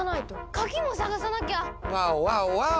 鍵もさがさなきゃ！